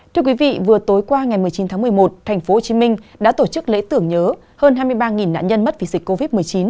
thưa quý vị vừa tối qua ngày một mươi chín tháng một mươi một tp hcm đã tổ chức lễ tưởng nhớ hơn hai mươi ba nạn nhân mất vì dịch covid một mươi chín